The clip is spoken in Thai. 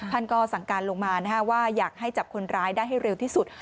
ท่านก็สั่งการลงมาว่าอยากให้จับคนร้ายได้ให้เร็วที่สุด